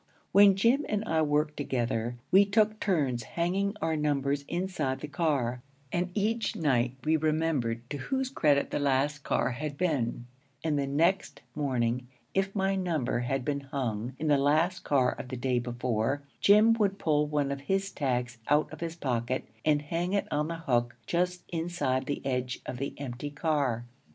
When Jim and I worked together, we took turns hanging our numbers inside the car; and each night we remembered to whose credit the last car had been; and the next morning, if my number had been hung in the last car of the day before, Jim would pull one of his tags out of his pocket and hang it on the hook just inside the edge of the empty car.